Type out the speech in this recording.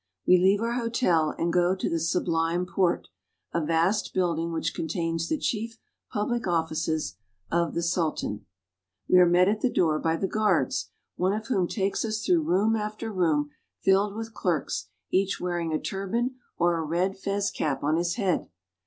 We leave our hotel and go to the Sublime Porte, a vast build ing which contains the chief public offices of the Sultan. CARP. EUROPE — 23 372 TURKEY We are met at the door by the guards, one of whom takes us through room after room filled with clerks, each wearing a turban or a red fez cap on his head.